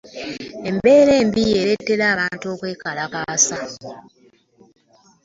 Embeera embi yaleetera abantu okwekalakaasa.